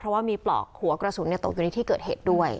เพราะว่ามีปลอกหัวกระสุนตกอยู่ในที่เกิดเหตุด้วย